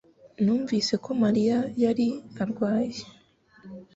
Numvise ko Mariya yari arwaye